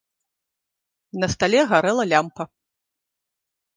На стале гарэла лямпа.